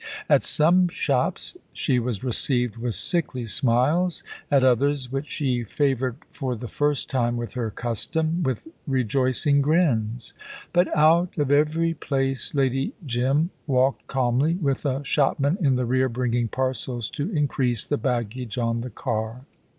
At some shops she was received with sickly smiles; at others, which she favoured for the first time with her custom, with rejoicing grins: but out of every place Lady Jim walked calmly, with a shopman in the rear bringing parcels to increase the baggage on the car.